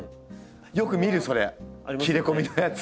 よく見るそれ切れ込みのやつ！